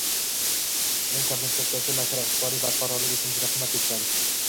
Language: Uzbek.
Uning kompensatsiyasi makroiqtisodiy barqarorlik uchun juda qimmatga tushadi